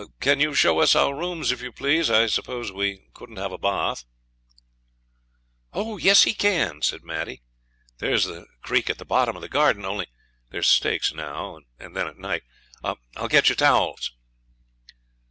Can you show us our rooms, if you please? I suppose we couldn't have a bath?' 'Oh yes, you can,' said Maddie; 'there's the creek at the bottom of the garden, only there's snakes now and then at night. I'll get you towels.'